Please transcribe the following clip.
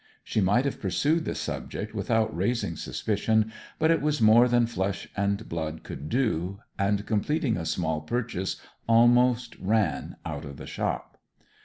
She might have pursued the subject without raising suspicion; but it was more than flesh and blood could do, and completing a small purchase almost ran out of the shop.